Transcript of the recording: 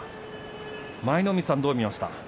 舞の海さんどう見ました。